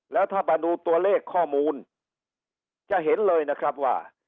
แล้วถ้ามาดูตัวเลขข้อมูลจะเห็นเลยนะครับว่า